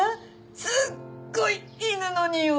すっごい犬のにおい。